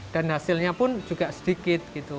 dan hasilnya pun juga sedikit